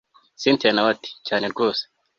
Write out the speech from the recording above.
cyntia nawe ati cyane rwose